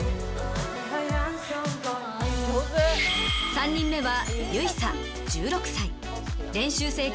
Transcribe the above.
３人目は。